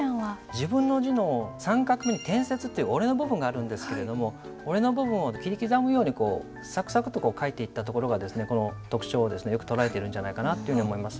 自分の「自」の３画目に転折という折れの部分があるんですけれども折れの部分を切り刻むようにサクサクと書いていったところがこの特徴をよく捉えてるんじゃないかなと思います。